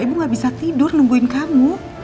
ibu gak bisa tidur nungguin kamu